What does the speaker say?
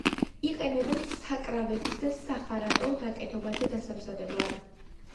იყენებენ საკრავებისა და სახარატო ნაკეთობათა დასამზადებლად.